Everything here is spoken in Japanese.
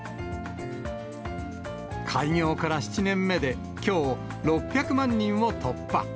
開業から７年目で、きょう、６００万人を突破。